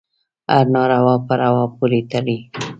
هره ناروا په روا پورې تړي.